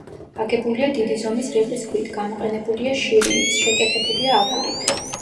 აგებულია დიდი ზომის რიყის ქვით, გამოყენებულია შირიმიც, შეკეთებულია აგურით.